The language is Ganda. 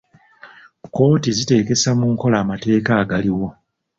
Kkooti ziteekesa mu nkola amateeka agaliwo.